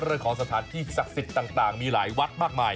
เรื่องของสถานที่ศักดิ์สิทธิ์ต่างมีหลายวัดมากมาย